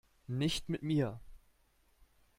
Nicht mit mir!